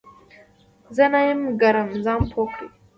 زه نه یم ګرم ، ځان پوه کړه !